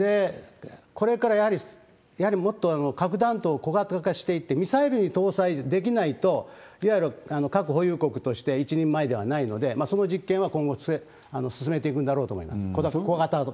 これからやはり、もっと核弾頭を小型化していって、ミサイルに搭載できないと、いわゆる核保有国として一人前ではないので、その実験は今後、進めていくんだろうと思います。